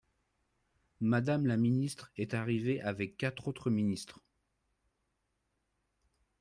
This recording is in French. Madame la ministre est arrivée avec quatre autres ministres.